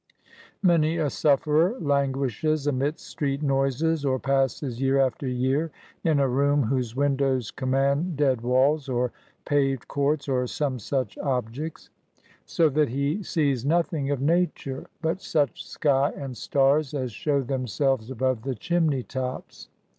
Many a sufferer languishes amidst street noises, or passes year after year in a room whose windows command dead walls, or paved courts, or some such objects ; so that he sees nothing of Nature but such sky and stars as show themselves above the chimney tops.